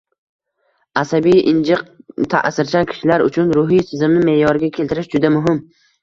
Asabiy, injiq, ta’sirchan kishilar uchun ruhiy tizimni me’yoriga keltirish juda muhim.